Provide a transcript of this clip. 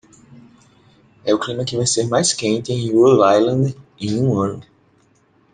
é o clima que vai ser mais quente em Rhode Island em um ano